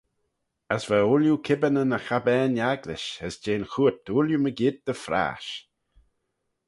As va ooilley kibbinyn y chabbane-agglish, as jeh'n chooyrt ooilley mygeayrt dy phrash.